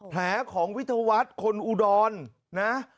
แผลของวิทยาวัฒน์คนอุดรนะ